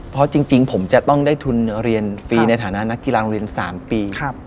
เพราะจริงผมจะต้องได้ทุนเรียนฟรีในฐานะนักกีฬาโรงเรียน๓ปี